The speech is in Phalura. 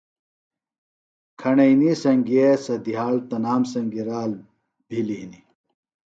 کھݨئنی سنگِیے سےۡ دِھیاڑ تنام سنگیۡ رال بھِلیۡ ہِنیۡ